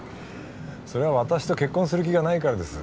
それは私と結婚する気がないからです